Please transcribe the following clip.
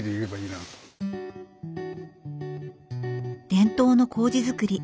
伝統のこうじづくり。